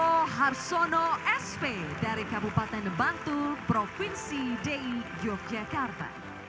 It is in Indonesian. bapak purwo harsono s v dari kabupaten bantul provinsi d i yogyakarta